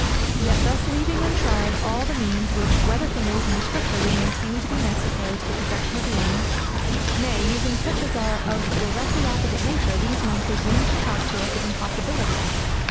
Yet thus leaving untried all the means, which, whether from Reason or Scripture, we maintain to be necessary to the production of the end, nay using such as are of a directly opposite nature, these men presume to talk to us of impossibilities!